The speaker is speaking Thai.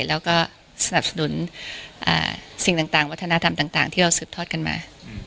แล้วก็สนับสนุนสิ่งต่างวัฒนธรรมต่างที่เราสืบทอดกันมา